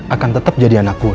akan tetap jadi anak gue